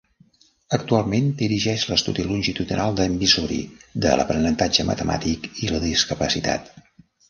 Actualment, dirigeix l'estudi longitudinal de Missouri de l'aprenentatge matemàtic i la discapacitat.